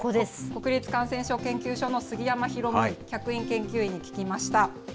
国立感染症研究所の杉山広客員研究員に聞きました。